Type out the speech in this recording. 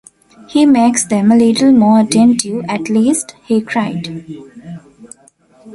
He makes them a little more attentive at least,’ he cried.